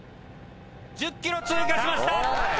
１０ｋｍ通過しました。